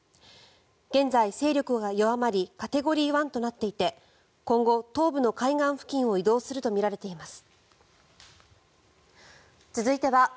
現在、勢力が弱まりカテゴリー１となっていて今後、東部の海岸付近を移動するとみられています。